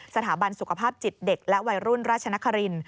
สถาบันสุขภาพจิตเด็กและวัยรุ่นราชนคริน